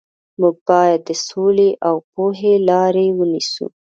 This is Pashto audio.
موږ باید د سولې او پوهې لارې ونیسو.